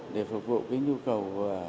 để phục vụ nhu cầu